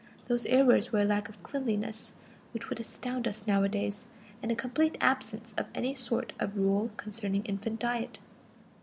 These errors were a lack of cleanliness which would astound us nowadays, and a complete absence of any sort of rule concerning infant diet.